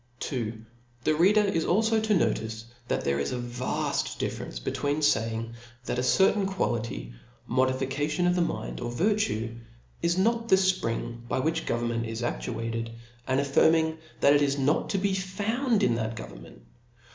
2^. The reader is alfo to take notice, that there is a vajl difference between faying, that a certain quality, modification of the mind, or vir^ tue, is not the fpring by which government is actuated, and affirming that it is not to Be found in that government.